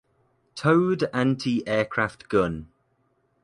Towed anti-aircraft gun.